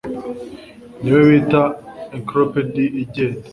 Niwe bita encyclopedia igenda.